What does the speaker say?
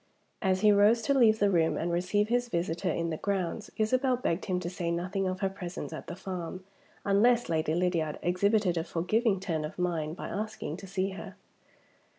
As he rose to leave the room and receive his visitor in the grounds, Isabel begged him to say nothing of her presence at the farm, unless Lady Lydiard exhibited a forgiving turn of mind by asking to see her.